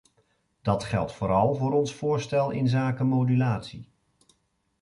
Dat geldt vooral voor ons voorstel inzake modulatie.